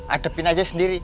adepin aja sendiri